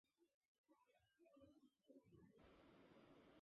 Pavilion দুটি আবৃত, স্তর দ্বারা বিভক্ত, চেয়ার এর জন্য মজবুত কাঠের ডেক রয়েছে।